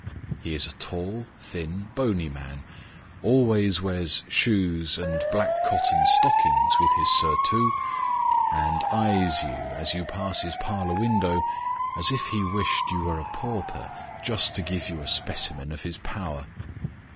He is a tall, thin, bony man ; always wears shoes and black cotton stockings with his surtout ; and eyes you, as you pass his parlour window, as if he wished you were a pauper, just to give you a specimen of his power.